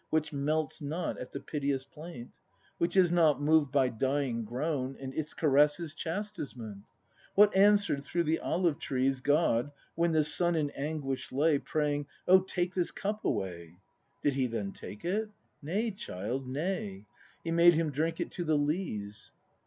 Which melts not at the piteous plaint. Which is not moved by dying groan. And its caress i s chastisement. What answer'd through the olive trees God, when the Son in anguish lay, Praying, "O take this cup away!" D i d He then take it ? Nay, child, nay: He made him drink it to the lees.